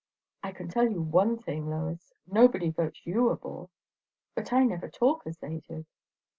"I can tell you one thing, Lois; nobody votes you a bore." "But I never talk as they do."